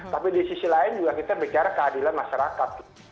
tapi di sisi lain juga kita bicara keadilan masyarakat